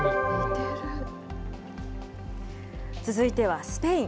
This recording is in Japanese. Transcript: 続いてはスペイン。